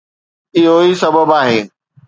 اهو ئي سبب آهي